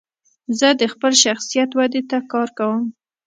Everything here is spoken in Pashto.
زه د خپل شخصیت ودي ته کار کوم.